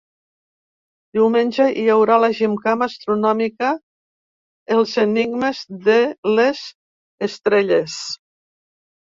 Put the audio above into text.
Diumenge hi haurà la gimcana astronòmica ‘Els enigmes de les estrelles’.